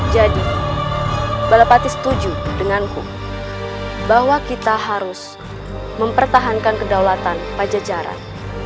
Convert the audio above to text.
jadi balapati setuju denganku bahwa kita harus mempertahankan kedaulatan pajajaran